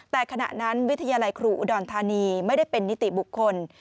แต่ขณะนั้นวิทยาลัยครูอุดรธานีไม่ได้เป็นนิติบุคคล